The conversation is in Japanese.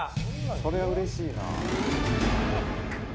それは嬉しいな。